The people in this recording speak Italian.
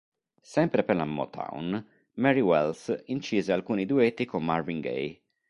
Sempre per la Motown, Mary Wells incise alcuni duetti con Marvin Gaye.